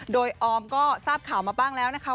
โดยออมก็ทราบข่าวมาบ้างแล้วนะคะ